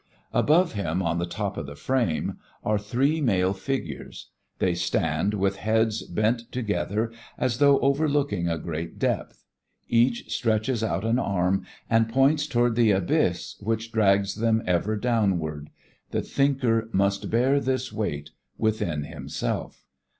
Above him, on the top of the frame, are three male figures; they stand with heads bent together as though overlooking a great depth; each stretches out an arm and points toward the abyss which drags them ever downward. The Thinker must bear this weight within himself.